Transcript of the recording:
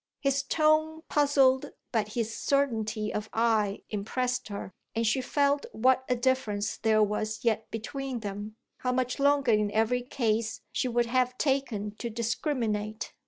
His tone puzzled but his certainty of eye impressed her, and she felt what a difference there was yet between them how much longer in every case she would have taken to discriminate.